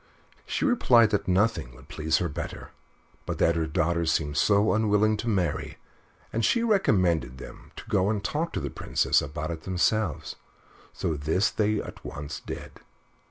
She replied that nothing would please her better, but that her daughter seemed so unwilling to marry, and she recommended them to go and talk to the Princess about it themselves so this they at once did.